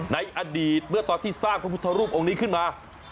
ในอดีตเมื่อตอนที่สร้างพระพุทธรูปองค์นี้ขึ้นมา